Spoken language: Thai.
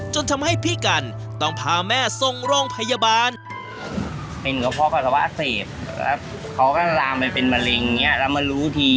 จนทำให้พี่กัลต้องพาแม่ทรงโรงพยาบาล